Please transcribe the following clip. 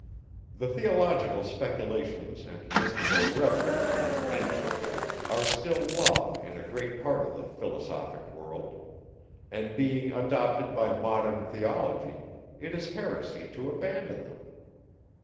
The theological speculations and mystical reveries of the ancients are still law in a great part of the philosophic world; and being adopted by modern theology, it is heresy to abandon them.